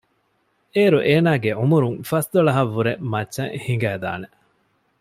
އޭރު އޭނާގެ ޢުމުރުން ފަސްދޮޅަހަށް ވުރެން މައްޗަށް ހިނގައި ދާނެ